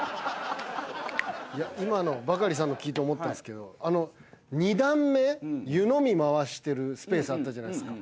今のバカリさんの聞いて思ったんですけど２段目湯飲み回してるスペースあったじゃないですか。